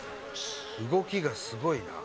動きがすごいな。